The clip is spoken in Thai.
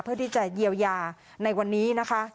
เพื่อที่จะเยียวยาในวันนี้นะคะ